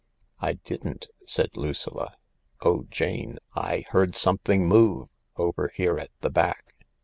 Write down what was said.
" I didn't," said Lucilla. " Oh, Jafle— I heard something move over here at the back